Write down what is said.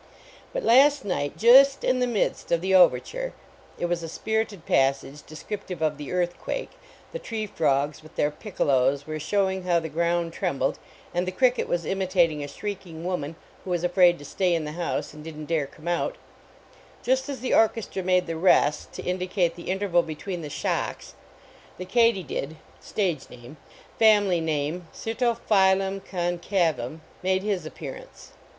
But last night, just in the midst of the overture it was a spirited passage descrip tive of the earthquake the tree frogs, with their piccolos, were showing how the ground tivmhlrd. and the cricket was imitating a shrieking woman who was afraid to May in the housr and didn t dare come out ju t Bfl the orchestra made the "rest" to indicate the interval lu twcen the shocks, the katy 163 THE KATYDID IN OPERA did (stage name; family name Cyrtophyllum concavuni), made his appearance.